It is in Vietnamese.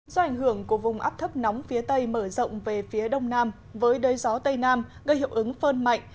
do ảnh hưởng của vùng áp thấp nóng phía tây mở rộng về phía đông nam với đới gió tây nam gây hiệu ứng phơn mạnh